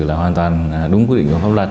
là hoàn toàn đúng quy định của pháp luật